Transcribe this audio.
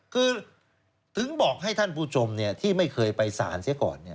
คือถึงบอกให้ท่านผู้ชมที่ไม่เคยไปสารเสียก่อน